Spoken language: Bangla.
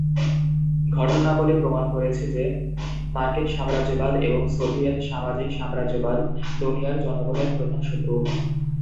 ঘটনাবলী প্রমাণ করেছে যে, মার্কিন সাম্রাজ্যবাদ এবং সোভিয়েত সামাজিক সাম্রাজ্যবাদ দুনিয়ার জনগণের প্রধান শত্রু।